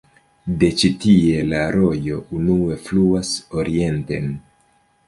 De ĉi-tie la rojo unue fluas orienten.